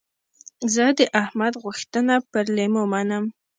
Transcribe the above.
زه د احمد غوښتنه پر لېمو منم.